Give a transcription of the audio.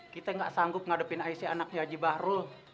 kita ga sanggup ngadepin aisi anak ya haji bahro